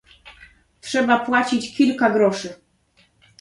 "Trzeba płacić kilka groszy."